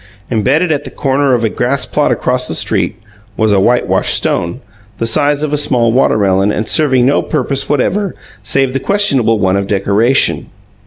Embedded at the corner of a grassplot across the street was a whitewashed stone, the size of a small watermelon and serving no purpose whatever save the questionable one of decoration.